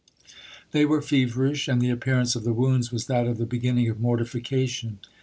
They were feverish, and the appearance of the wounds was that of the beginning of mortification.